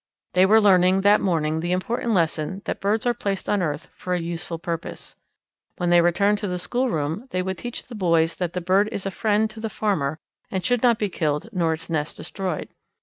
They were learning that morning the important lesson that birds are placed on earth for a useful purpose. When they returned to the schoolroom they would teach the boys that the bird is a friend to the farmer and should not be killed nor its nest destroyed.